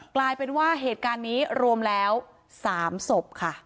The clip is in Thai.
กลายเป็นว่าเหตุการณ์นี้รวมแล้ว๓ศพค่ะ